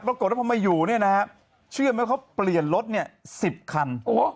แล้วกดแล้วพอมาอยู่เนี่ยนะครับเชื่อไหมว่าเขาเปลี่ยนรถเนี่ย๑๐คัน